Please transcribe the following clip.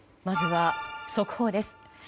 まずは速報です。